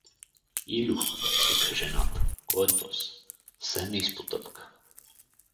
— Илю! — извика жената. — Кой е тоз? Все ме изпотъпка.